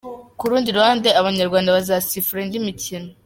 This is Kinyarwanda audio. Ku rundi ruhande Abanyarwanda bazasifura indi mikino.